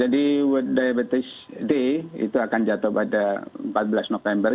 world diabetes day itu akan jatuh pada empat belas november